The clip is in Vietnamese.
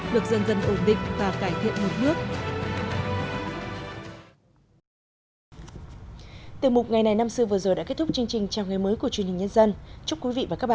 được dân dân ổn định và cải thiện một nước